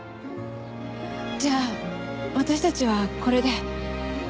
じゃあ私たちはこれで。